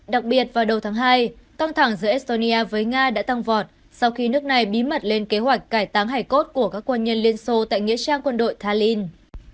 đặc biệt vào đầu tháng hai căng thẳng giữa estonia với nga đã tăng vọt sau khi nước này bí mật lên kế hoạch cải táng hải cốt của các quân nhân liên xô tại nghĩa trang quân đội talin